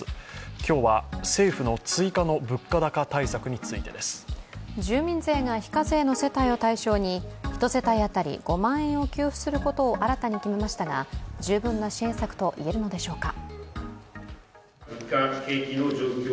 今日は政府の追加の物価高対策についてです。住民税が非課税の世帯を対象に１世帯当たり５万円を給付することを新たに決めましたが、十分な支援策と言えるのでしょうか。